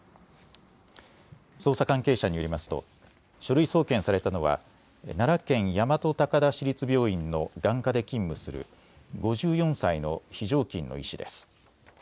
捜査関係者によりますと書類送検されたのは奈良県大和高田市立病院の眼科で勤務する５４歳の非常勤の医師です。